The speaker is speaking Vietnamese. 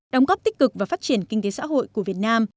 đóng góp tích cực và phát triển kinh tế xã hội của việt nam